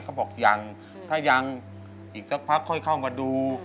เขาบอกยังถ้ายังอีกสักพักค่อยเข้ามาดู